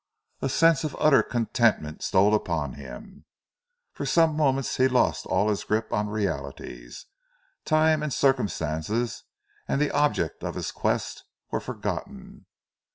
A sense of utter contentment stole upon him. For some moments he lost all his grip on realities; time and circumstances and the object of his quest were forgotten.